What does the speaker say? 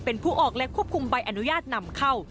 เป็นผู้ออกและควบคุมใบอนุญาตนำเข้า